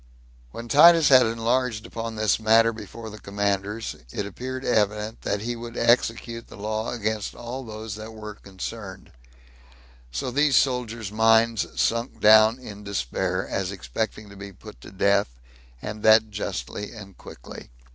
When Titus had enlarged upon this matter before the commanders, it appeared evident that he would execute the law against all those that were concerned; so these soldiers' minds sunk down in despair, as expecting to be put to death, and that justly and quickly.